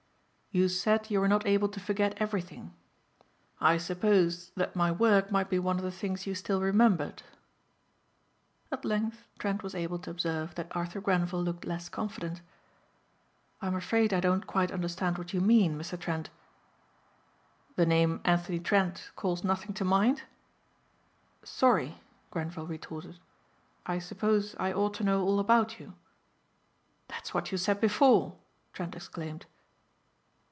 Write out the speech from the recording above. "You said you were not able to forget everything. I supposed that my work might be one of the things you still remembered." At length Trent was able to observe that Arthur Grenvil looked less confident. "I'm afraid I don't quite understand what you mean, Mr. Trent." "The name Anthony Trent calls nothing to mind?" "Sorry," Grenvil retorted, "I suppose I ought to know all about you." "That's what you said before!" Trent exclaimed.